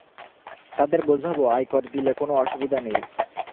তাঁদের বোঝাব, আয়কর দিলে কোনো অসুবিধা নেই।